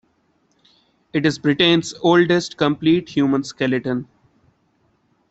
It is Britain's oldest complete human skeleton.